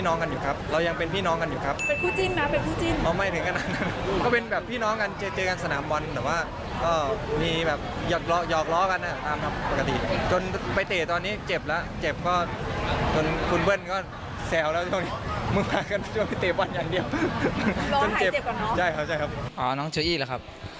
อ๋อน้องโจอี้เหรอครับ